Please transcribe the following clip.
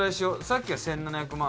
さっきは１７００万